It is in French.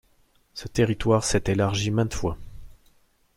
Ce territoire s'est élargi maintes fois.